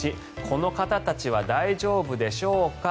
この方たちは大丈夫でしょうか？